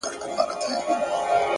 گوره ځوانـيمـرگ څه ښـه وايــي;